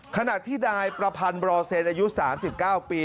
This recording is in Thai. ขณะที่นายประพันธ์บรอเซนอายุ๓๙ปี